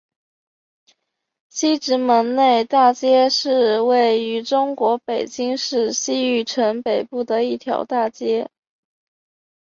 西直门内大街是位于中国北京市西城区北部的一条大街。